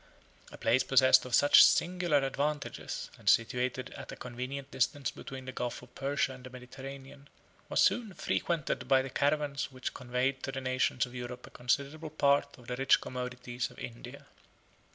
A place possessed of such singular advantages, and situated at a convenient distance 68 between the Gulf of Persia and the Mediterranean, was soon frequented by the caravans which conveyed to the nations of Europe a considerable part of the rich commodities of India.